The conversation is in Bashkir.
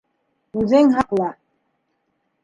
Үҙең һаҡла!